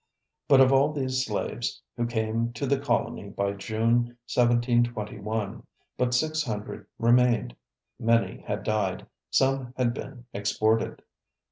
But of all these slaves who came to the colony by June, 1721, but six hundred remained. Many had died, some had been exported.